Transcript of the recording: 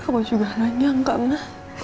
aku juga nanyang kak ma